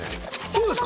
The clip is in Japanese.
そうですか？